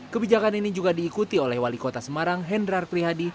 kebijakan ini juga diikuti oleh wali kota semarang hendrar prihadi